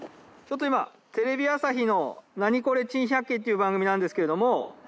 ちょっと今テレビ朝日の『ナニコレ珍百景』っていう番組なんですけれども。